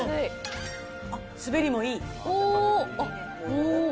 あっ、滑りもいい。